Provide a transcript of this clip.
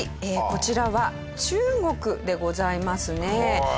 こちらは中国でございますね。